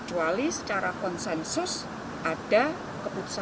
kecuali secara konsensus ada keputusan